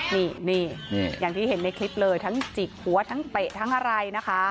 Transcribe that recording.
นี่อย่างที่เห็นในคลิปเลยทั้งจิกหัวทั้งเตะทั้งอะไรนะคะ